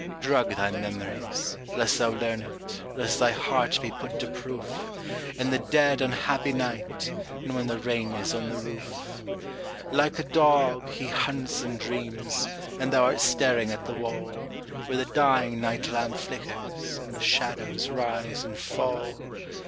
Drug thy memories, lest thou learn it, lest thy heart be put to proof, In the dead, unhappy night, and when the rain is on the roof. Like a dog, he hunts in dreams; and thou art staring at the wall, Where the dying night lamp flickers, and the shadows rise and fall.